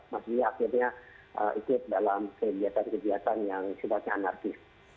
maksudnya akhirnya ikut dalam kegiatan kegiatan yang sifatnya anarkis